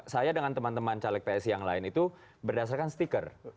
saya dengan teman teman caleg psi yang lain itu berdasarkan stiker